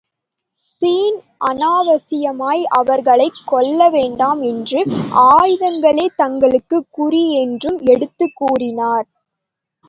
Sean அநாவசியமாய் அவர்களைக் கொல்ல வேண்டாம் என்றும் ஆயுதங்களே தங்களுக்குக் குறி என்றும் எடுத்துக் கூறினார்.